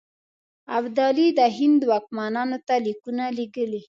ابدالي د هند واکمنانو ته لیکونه لېږلي.